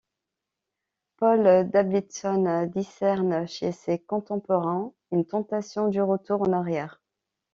Paul Davidson discerne chez ses contemporains une tentation du retour en arrière.